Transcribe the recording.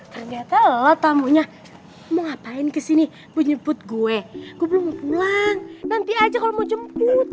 ternyata lo tamunya mau ngapain ke sini buat nyebut gue gue belum mau pulang nanti aja kalau mau jemput